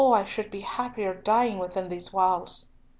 I should be happier dying within these walls!"